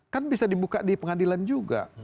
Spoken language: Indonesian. kan bisa dibuka di pengadilan juga